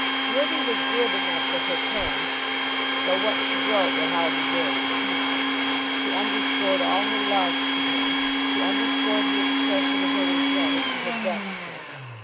Ruby was glib enough with her pen, though what she wrote will hardly bear repeating. She underscored all her loves to him. She underscored the expression of her regret if she had vexed him.